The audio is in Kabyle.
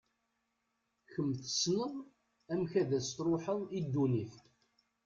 Kemm tessneḍ amek ad as-tṛuḥeḍ i ddunit.